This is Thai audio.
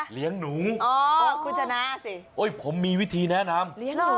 เลี้ยงหนูคุณชนะสิผมมีวิธีแนะนำ